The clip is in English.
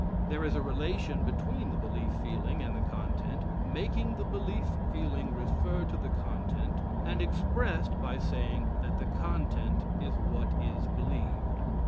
There is a relation between the belief feeling and the content, making the belief feeling refer to the content, and expressed by saying that the content is what is believed.